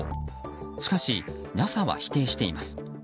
しかしＮＡＳＡは否定しています。